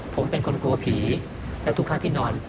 ผมเป็นคนกลัวผีและทุกครั้งที่นอน